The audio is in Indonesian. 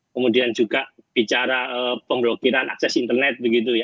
kemudian juga bicara pemblokiran akses internet